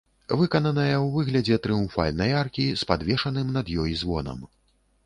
Выкананая ў выглядзе трыумфальнай аркі з падвешаным над ёй звонам.